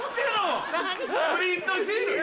プリントシール！